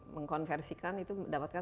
mengkonversikan itu dapatkan